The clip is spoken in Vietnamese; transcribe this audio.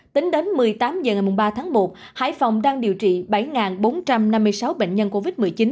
tính đến một mươi tám h ngày ba tháng một hải phòng đang điều trị bảy bốn trăm năm mươi sáu bệnh nhân covid một mươi chín